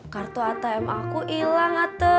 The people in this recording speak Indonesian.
kartu atm aku hilang atau